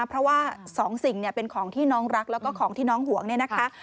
เพราะว่าสองสิ่งเป็นของที่น้องรักแล้วก็ของที่น้องห่วงเนี่ยนะคะ